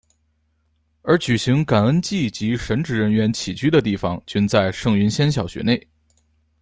而举行感恩祭及神职人员起居的地方均在圣云仙小学内。